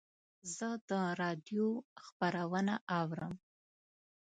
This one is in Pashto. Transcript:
زه د رادیو خپرونه اورم.